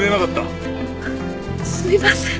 すみません。